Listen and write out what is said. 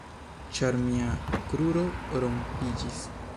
Ĉar mia kruro rompiĝis.